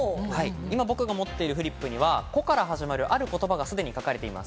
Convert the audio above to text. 僕が持っているフリップには「コ」から始まるある言葉が書かれています。